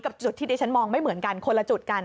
กับจุดที่เดชน์มองไม่เหมือนกันคนละจุดกัน